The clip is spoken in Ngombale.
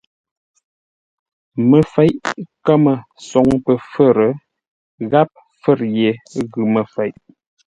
Məfeʼ kəmə soŋ pəfə̌r gháp fə̌r ye ghʉ məfeʼ.